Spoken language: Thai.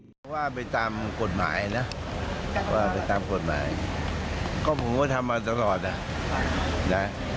แล้วแต่กรรมการบอกเขามาเจอ